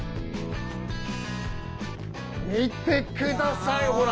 見てくださいほら。